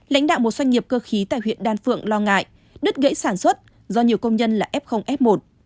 lãnh đạo một doanh nghiệp cơ khí tại huyện đan phượng lo ngại đứt gãy sản xuất do nhiều công nhân là f f một